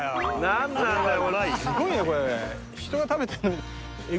何なんだよ